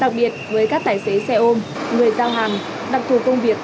đặc biệt với các tài xế xe ôm người giao hàng đặc thù công việc